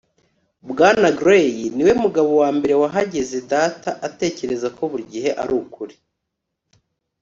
Bwana Gray niwe mugabo wambere wahageze Data atekereza ko buri gihe ari ukuri